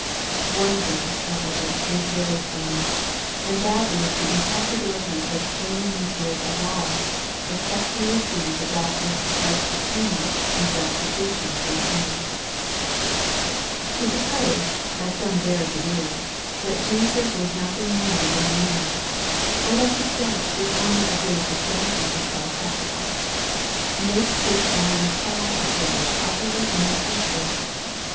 One thing, however, is very plain, and that is the im possibility of explaining these words at all, except we . receive the doctrine of Christ's atonement and substitu tion for sinners. To suppose, as some dare to do, that Jesus was nothing more than a man, or that His death was only a great example of self sacrifice, makes this dying cry of His utterly unintelligible.